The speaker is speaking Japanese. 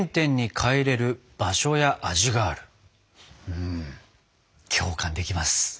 うん共感できます。